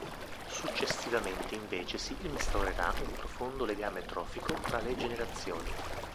Successivamente invece si instaurerà un profondo legame trofico tra le generazioni.